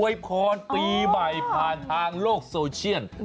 วยพรปีใหม่ผ่านทางโลกโซเชียล